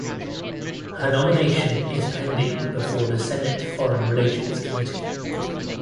Her nomination is pending before the Senate Foreign Relations Committee.